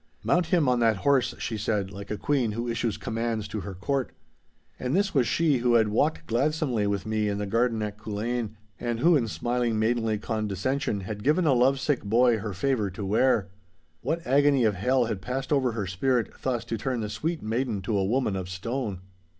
'Mount him on that horse,' she said, like a queen who issues commands to her court. And this was she who had walked gladsomely with me in the garden at Culzean, and who in smiling maidenly condescension had given a love sick boy her favour to wear. What agony of hell had passed over her spirit thus to turn the sweet maiden to a woman of stone?